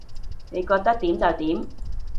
你覺得點就點